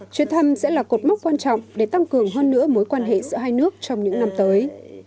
chuyến thăm sẽ là cột mốc quan trọng để tăng cường hơn nữa mối quan hệ giữa hai nước trong những năm tới